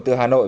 từ hà nội